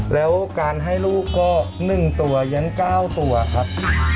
แล้วการให้ลูกก็๑ตัวยัง๙ตัวครับ